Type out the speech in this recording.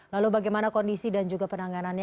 lalu bagaimana kondisi dan juga penanganannya